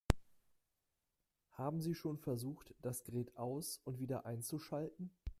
Haben Sie schon versucht, das Gerät aus- und wieder einzuschalten?